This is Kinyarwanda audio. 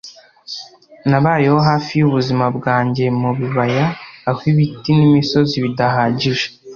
nabayeho hafi yubuzima bwanjye mubibaya aho ibiti n'imisozi bidahagije